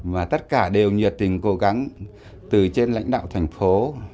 và tất cả đều nhiệt tình cố gắng từ trên lãnh đạo thành phố